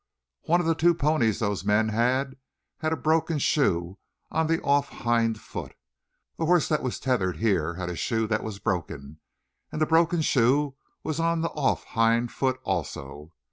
"One of the two ponies those men had, had a broken shoe on the off hind foot. The horse that was tethered here had a shoe that was broken, and the broken shoe was on the off hind foot also.